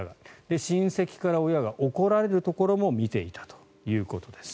親戚から、親が怒られるところも見ていたということです。